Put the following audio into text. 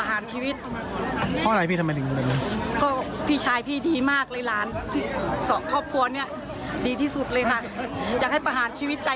อันนี้อ่ะประหารอย่างเดียวใจ